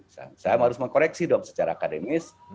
saya harus mengkoreksi dong secara akademis